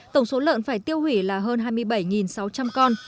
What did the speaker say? tổng số lợn phải tiêu hủy là hơn hai mươi bảy sáu trăm linh con